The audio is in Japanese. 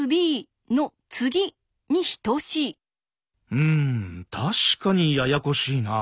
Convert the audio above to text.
うん確かにややこしいな。